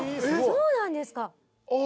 そうなんですか。